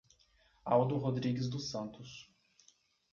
Aldo Rodrigues dos Santos